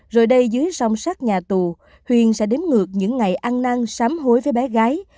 rồi đây dưới rong sát nhà tù huyên sẽ đếm ngược những ngày ăn năng sám hối với bé gái